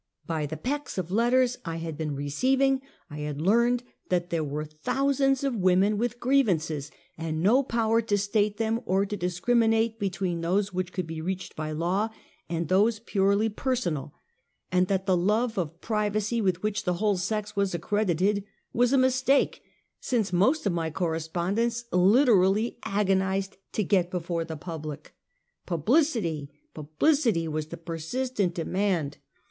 By the pecks of letters I had been receiving, I had learned that there were thousands of women with grievances, and no power to state them or to discrimi nate between those which could be reached by law and those purely personal; and that the love of privacy with which the whole sex was accredited was a mis take, since most of my correspondents literally ago nized to get before the public. Publicity! publicity! was the persistent demand.